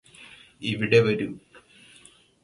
ഇവിടെ വരൂ